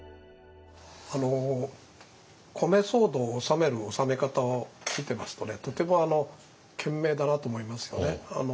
米騒動を収める収め方を見てますとねとても賢明だなと思いますよね。